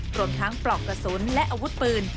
รวมทั้งปลอกกระสุนและอาวุธปืน